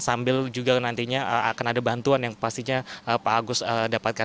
sambil juga nantinya akan ada bantuan yang pastinya pak agus dapatkan